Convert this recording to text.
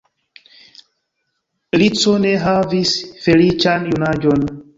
Rico ne havis feliĉan junaĝon.